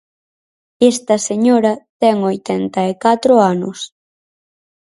Esta señora ten oitenta e catro anos.